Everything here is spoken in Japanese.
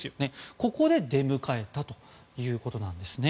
ここで出迎えたということです。